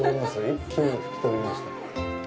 一気に吹き飛びました。